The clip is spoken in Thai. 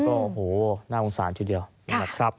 ก็โอ้โฮน่าโง่สารทีเดียวขอบคุณครับ